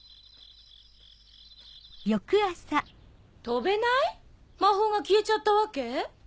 飛べない⁉魔法が消えちゃったわけ？